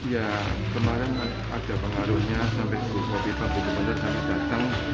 ya kemarin ada pengaruhnya sampai sejak bipang bukupandar sampai datang